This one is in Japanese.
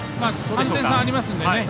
３点差ありますのでね。